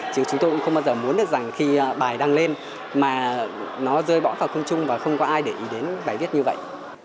chứ chúng tôi cũng không bao giờ muốn được rằng khi bài đăng lên mà nó rơi bõm vào công trung và không có ai để ý đến bài viết như vậy